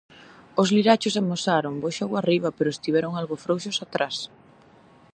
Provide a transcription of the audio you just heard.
Os lirachos amosaron bo xogo arriba pero estiveron algo frouxos atrás.